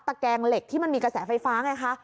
ตะแกงเหล็กที่มีกระแสไฟฟ้า